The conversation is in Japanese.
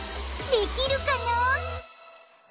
できるかな？